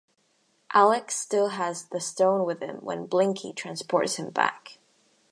Alex still has the stone with him when Blinky transports him back.